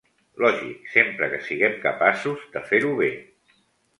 Lògic, sempre que siguem capaços de fer-ho bé.